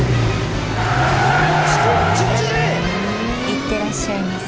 いってらっしゃいませ。